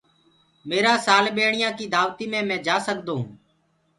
ميرآ ساݪیٻيڻيآن ڪي دآوتي مي مينٚ جآ سگھدونٚ۔